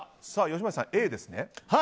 吉村さん、Ａですね。